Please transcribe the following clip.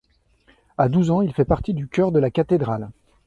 À douze ans, il fait partie du chœur de la cathédrale.